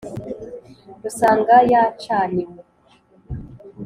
rusanga yacaniwe,